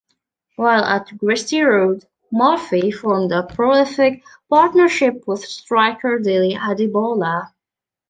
While at Gresty Road, Murphy formed a prolific partnership with striker Dele Adebola.